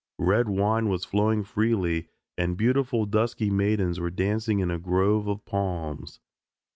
Red wine was flowing freely, and beautiful dusky maidens were dancing in a grove of palms.